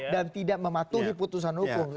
dan tidak mematuhi putusan hukum